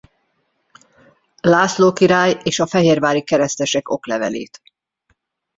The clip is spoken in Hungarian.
László király és a fehérvári keresztesek oklevelét.